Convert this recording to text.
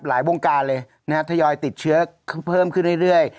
วงการเลยนะฮะทยอยติดเชื้อเพิ่มขึ้นเรื่อย